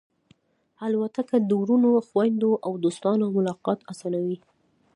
الوتکه د وروڼو، خوېندو او دوستانو ملاقات آسانوي.